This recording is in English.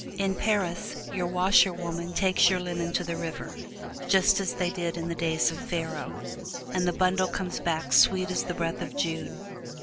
In Paris, your washerwoman takes your linen to the river, just as they did in the days of Pharaoh, and the bundle comes back sweet as the breath of June.